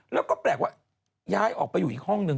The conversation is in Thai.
แล้วก็แปลกว่าย้ายออกไปอยู่อีกห้องนึง